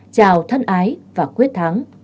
chào thân ái và quyết thắng